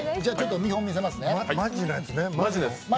見本見せますね。